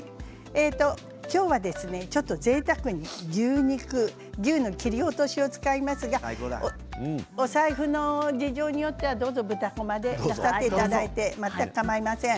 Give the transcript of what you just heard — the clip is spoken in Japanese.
今日はですね、ちょっとぜいたくに牛肉牛の切り落としを使いますがお財布の事情によってはどうぞ豚こま、使っていただいて全くかまいません。